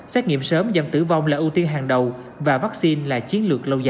xét nghiệm sớm giảm tử vong là ưu tiên hàng đầu và vaccine là chiến lược lâu dài